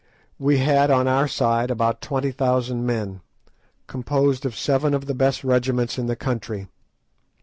We had on our side about twenty thousand men, composed of seven of the best regiments in the country.